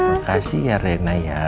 terima kasih ya rena ya